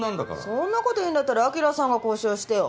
そんな事言うんだったら晶さんが交渉してよ。